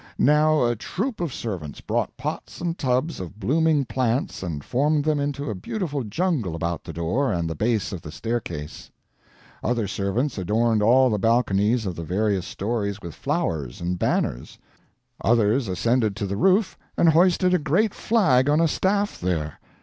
Now a troop of servants brought pots and tubs of blooming plants and formed them into a beautiful jungle about the door and the base of the staircase. Other servants adorned all the balconies of the various stories with flowers and banners; others ascended to the roof and hoisted a great flag on a staff there.